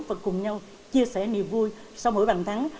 và cùng nhau chia sẻ niềm vui sau mỗi bàn thắng